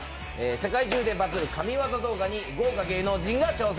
世界中でバズる神業動画に豪華芸能人が挑戦。